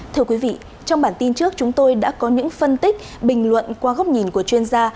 thưa quý vị trong bản tin trước chúng tôi đã có những phân tích bình luận qua góc nhìn của chuyên gia